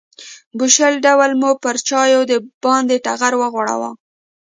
بوشلې ډول مو پر چایو د بانډار ټغر وغوړاوه.